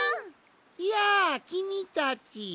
やあきみたち。